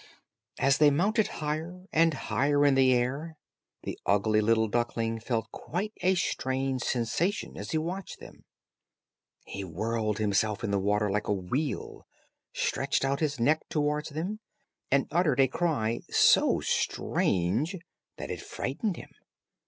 As they mounted higher and higher in the air, the ugly little duckling felt quite a strange sensation as he watched them. He whirled himself in the water like a wheel, stretched out his neck towards them, and uttered a cry so strange that it frightened himself.